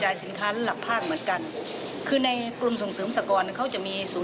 อย่างพวกน้ำมันลองกองผลไม้ต่าง